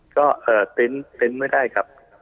ก็เต็นต์ไม่ได้ครับ